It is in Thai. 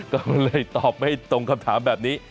ก็เลยตอบไม่ตรงคำถามแบบนี้